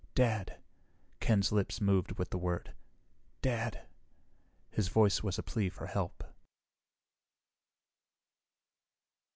"Dad...." Ken's lips moved with the word. "Dad...." His voice was a plea for help.